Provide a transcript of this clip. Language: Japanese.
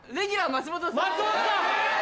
松本さん！